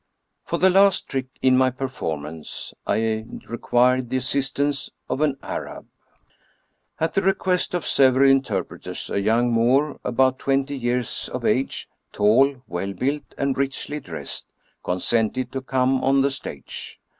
For the last trick in my performance I required the as sistance of an Arab. At the request of several interpreters, a young Moor, about twenty years of age, tall, well built, and richly dressed, consented to come on the stage.